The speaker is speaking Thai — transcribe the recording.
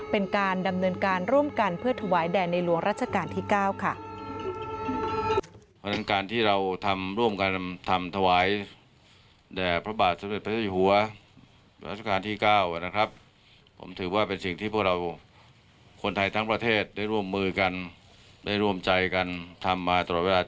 เป็นการดำเนินการร่วมกันเพื่อถวายแด่ในหลวงรัชกาลที่๙ค่ะ